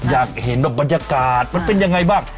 อยากเห็นแบบบรรยากาศมันเป็นยังไงบ้าง